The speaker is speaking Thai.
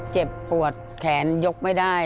เจ็บปวดแขนยกไม่ได้